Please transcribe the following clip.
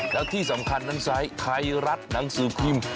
แล้วที่สำคัญทั้งสายใครรัดหนังสือพิมพ์